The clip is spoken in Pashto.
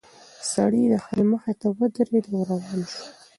سړی د ښځې مخې ته ودرېد او روان شول.